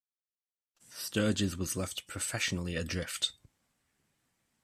Sturges was left professionally adrift.